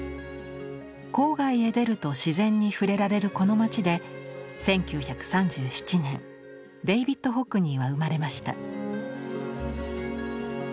郊外へ出ると自然に触れられるこの街で１９３７年デイヴィッド・ホックニーは生まれました。